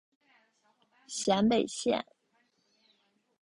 咸北线